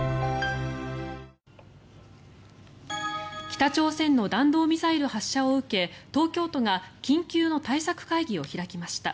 北朝鮮の弾道ミサイル発射を受け東京都が緊急の対策会議を開きました。